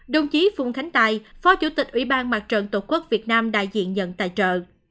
đồng chí phùng khánh tài phó chủ tịch ủy ban mặt trận tổ quốc việt nam đại diện nhận tài trợ